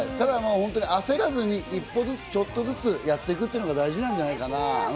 焦らずに一歩ずつ、ちょっとずつやっていくことも大事なんじゃないかな。